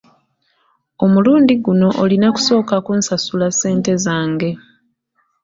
Omulundi guno olina kusooka kunsasula ssente zange.